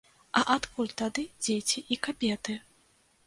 А адкуль тады дзеці і кабеты?